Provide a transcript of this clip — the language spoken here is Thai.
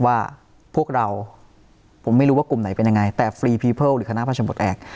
ว่าพวกเราผมไม่รู้ว่ากลุ่มไหนเป็นยังไงแต่ฟรีพีเพิลหรือคณะพระชนบทแอก